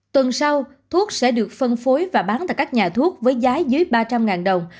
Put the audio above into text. tuần sau thuốc sẽ được phân phối và bán tại các nhà thuốc với giá dưới ba trăm linh đồng